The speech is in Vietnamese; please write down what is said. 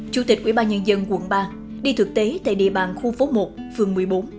chủ tịch quỹ ba nhân dân quận ba đi thực tế tại địa bàn khu phố một phường một mươi bốn